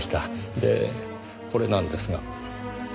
でこれなんですが。